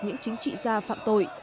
những chính trị gia phạm tội